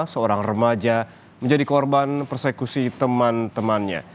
seorang remaja menjadi korban persekusi teman temannya